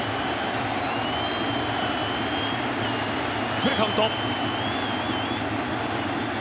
フルカウント。